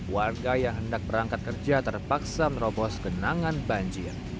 warga yang hendak berangkat kerja terpaksa merobos genangan banjir